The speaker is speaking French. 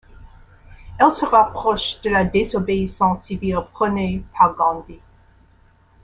Elle se rapproche de la désobéissance civile prônée par Gandhi.